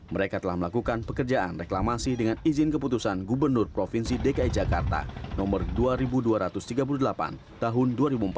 mereka telah melakukan pekerjaan reklamasi dengan izin keputusan gubernur provinsi dki jakarta nomor dua ribu dua ratus tiga puluh delapan tahun dua ribu empat belas